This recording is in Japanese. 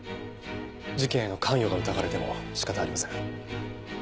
事件への関与が疑われても仕方ありません。